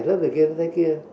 lớp người kia nó thế kia